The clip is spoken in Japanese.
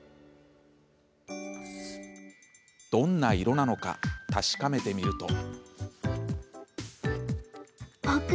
どんな色なのか確かめてみると。